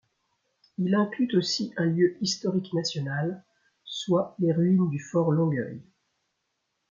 Il inclut aussi un lieu historique national, soit les ruines du fort Longueuil.